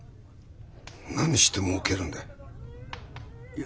何してもうけるんだい？